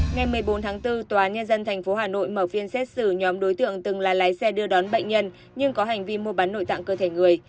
ngày một mươi bốn tháng bốn tòa nhân dân tp hà nội mở phiên xét xử nhóm đối tượng từng là lái xe đưa đón bệnh nhân nhưng có hành vi mua bán nội tạng cơ thể người